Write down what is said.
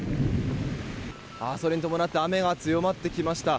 それに伴って雨が強まってきました。